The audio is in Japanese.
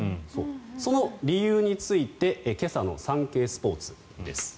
その理由について今朝のサンケイスポーツです。